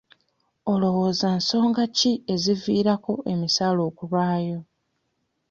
Olowooza nsonga ki eziviirako emisaala okulwawo.